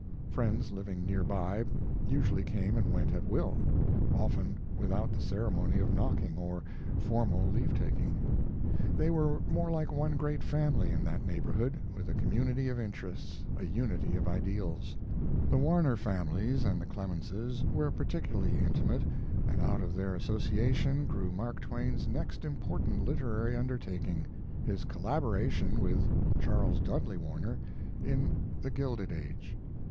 Friends living near by usually came and went at will, often without the ceremony of knocking or formal leave taking. They were more like one great family in that neighborhood, with a community of interests, a unity of ideals. The Warner families and the Clemenses were particularly intimate, and out of their association grew Mark Twain's next important literary undertaking, his collaboration with Charles Dudley Warner in 'The Gilded Age'.